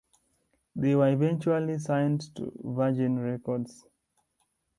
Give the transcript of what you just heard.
They were eventually signed to Virgin Records.